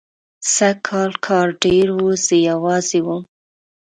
سږکال کار ډېر و، زه یوازې وم.